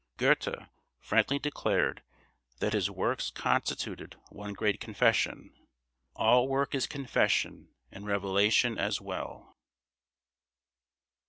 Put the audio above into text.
Goethe frankly declared that his works constituted one great confession. All work is confession and revelation as well.